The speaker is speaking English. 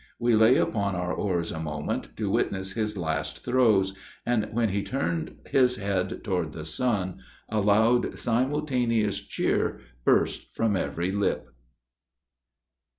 We lay upon our oars a moment, to witness his last throes, and when he turned his head toward the sun, a loud, simultaneous cheer, burst from every lip.